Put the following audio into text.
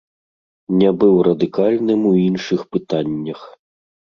Не быў радыкальным у іншых пытаннях.